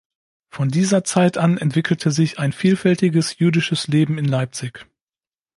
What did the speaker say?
Von dieser Zeit an entwickelte sich ein vielfältiges jüdisches Leben in Leipzig.